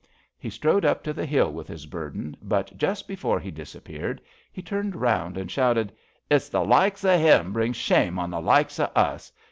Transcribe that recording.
He strode up to the hill with his burden, but just before he disappeared he turned round and shouted: It's the likes o' 'im brings shame on the likes o' us.